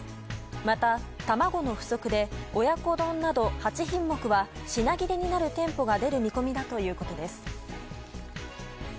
また、卵の不足で親子丼など８品目は品切れになる店舗が出る見込みだということです。